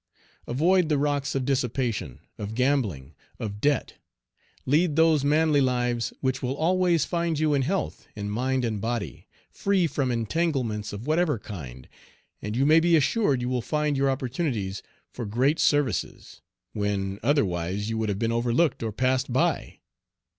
Avoid the rocks of dissipation, of gambling, of debt; lead those manly lives which will always find you in health in mind and body, free from entanglements of whatever kind, and you may be assured you will find your opportunities for great services, when otherwise you would have been overlooked or passed by.